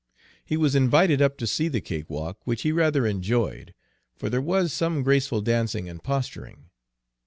He was invited up to see the cakewalk, which he rather enjoyed, for there was some graceful dancing and posturing.